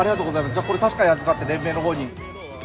じゃあ、これ確かに預かって連盟のほうに。